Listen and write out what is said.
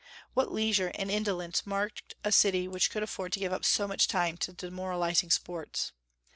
What leisure and indolence marked a city which could afford to give up so much time to the demoralizing sports!